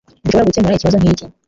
Ntidushobora gukemura ikibazo nkiki